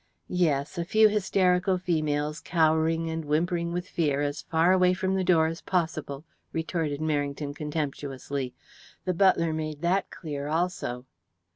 "Yes a few hysterical females cowering and whimpering with fear as far away from the door as possible," retorted Merrington contemptuously. "The butler made that clear also."